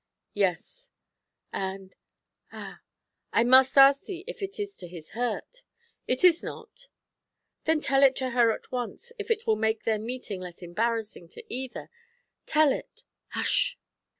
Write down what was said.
'Yes.' 'And ah I must ask thee if it is to his hurt?' 'It is not.' 'Then tell it to her at once, if it will make their meeting less embarrassing to either; tell it hush!'